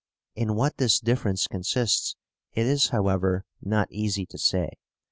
In what this difference consists it is, however, not easy to say.